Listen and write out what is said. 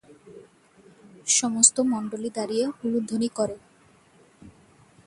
সমস্ত মণ্ডলী দাঁড়িয়ে উলুধ্বনি করে।